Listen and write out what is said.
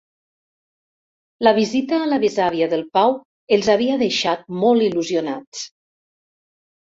La visita a la besàvia del Pau els havia deixat molt il·lusionats.